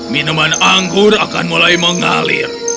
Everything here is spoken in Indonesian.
minuman anggur akan mulai mengalir